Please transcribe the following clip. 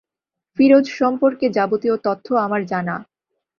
ফিরোজ সম্পর্কে যাবতীয় তথ্য আমার জানা।